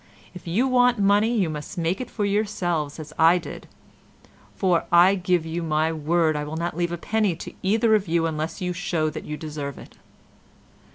If you want money you must make it for yourselves as I did, for I give you my word I will not leave a penny to either of you unless you show that you deserve it.